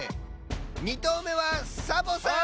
２とうめはサボさん！